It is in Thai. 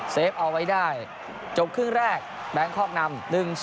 เฟฟเอาไว้ได้จบครึ่งแรกแบงคอกนำ๑๐